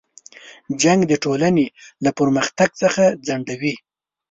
جنګ د ټولنې له پرمختګ څخه ځنډوي.